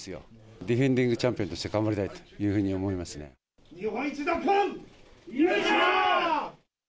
ディフェンディングチャンピオンとして頑張りたいというふうに思日本一奪還、よっしゃ！